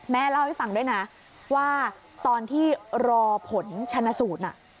เล่าให้ฟังด้วยนะว่าตอนที่รอผลชนะสูตรน่ะ